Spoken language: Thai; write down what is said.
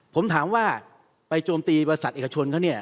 ผมถามว่าไปโจมตีบริษัทเอกชนเขาเนี่ย